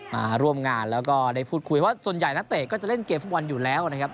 มาร่วมงานแล้วก็ได้พูดคุยเพราะส่วนใหญ่นักเตะก็จะเล่นเกมฟุตบอลอยู่แล้วนะครับ